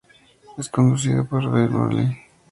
Es conducido por Ben Mulroney.